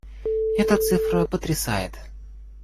Эта цифра потрясает.